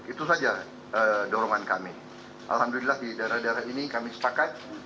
itu saja dorongan kami alhamdulillah di daerah daerah ini kami sepakat